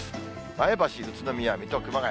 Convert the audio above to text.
前橋、宇都宮、水戸、熊谷。